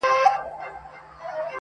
یا بارېږه زما له سرایه زما له کوره,